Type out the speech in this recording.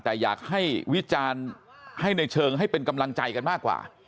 แต่อยากให้วิจารณ์ให้ในเชิงให้เป็นกำลังใจกันมากกว่า